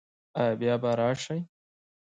ایا بیا به راشئ؟